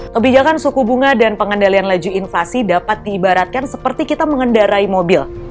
kebijakan suku bunga dan pengendalian laju inflasi dapat diibaratkan seperti kita mengendarai mobil